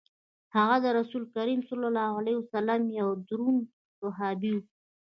هغه د رسول کریم صلی الله علیه وسلم یو دروند صحابي وو.